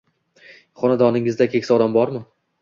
Xonadoningizda keksa odam bormi?